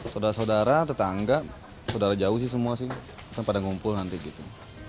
saudara saudara tetangga saudara jauh sih semua sih kita pada ngumpul nanti gitu